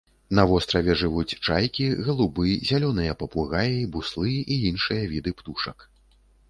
На востраве жывуць чайкі, галубы, зялёныя папугаі, буслы і іншыя віды птушак.